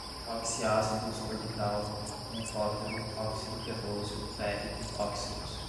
oxiácidos, orbital, anfótero, óxido, ferroso, férrico, óxidos